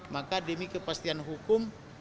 maka demi kepastian hukum